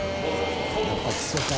やっぱ基礎か。